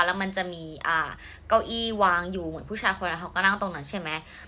แล้วมันจะมีเก้าอี้วางอยู่เหมือนผู้ชายคนนั้นเขาก็นั่งตรงนั้นใช่ไหม